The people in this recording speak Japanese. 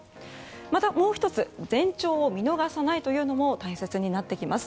またもう１つ前兆を見逃さないというのも大切になってきます。